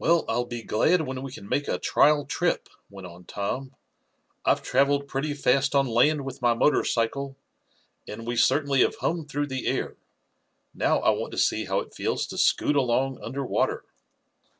"Well, I'll be glad when we can make a trial trip," went on Tom. "I've traveled pretty fast on land with my motorcycle, and we certainly have hummed through the air. Now I want to see how it feels to scoot along under water."